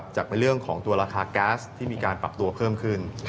จากในเรื่องของตัวราคาแก๊สที่มีการปรับตัวเพิ่มขึ้น